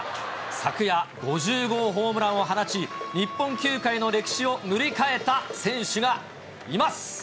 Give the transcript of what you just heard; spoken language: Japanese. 昨夜、５０号ホームランを放ち、日本球界の歴史を塗り替えた選手がいます。